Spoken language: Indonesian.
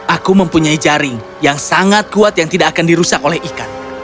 aku mempunyai jaring yang sangat kuat yang tidak akan dirusak oleh ikan